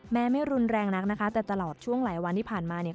ไม่รุนแรงนักนะคะแต่ตลอดช่วงหลายวันที่ผ่านมาเนี่ย